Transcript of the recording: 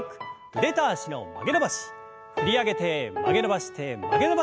振り上げて曲げ伸ばして曲げ伸ばして振り下ろす。